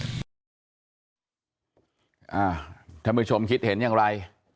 อ่าถ้ามือชมคิดเห็นอย่างไร